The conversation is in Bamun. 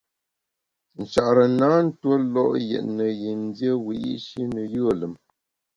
Nchare na ntue lo’ yètne yin dié wiyi’shi ne yùe lùm.